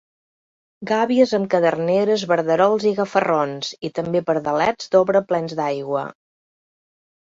Gàbies amb caderneres, verderols i gafarrons, i també pardalets d’obra plens d’aigua.